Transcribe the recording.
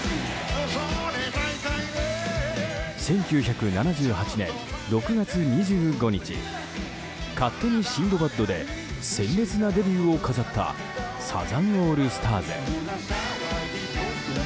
１９７８年６月２５日「勝手にシンドバッド」で鮮烈なデビューを飾ったサザンオールスターズ。